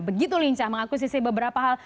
begitu lincah mengakusisi beberapa hal